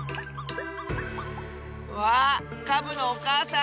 わあカブのおかあさん！